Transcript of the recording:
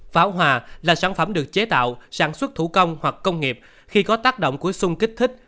pháo hòa là sản phẩm được chế tạo sản xuất thủ công hoặc công nghiệp khi có tác động của sung kích thích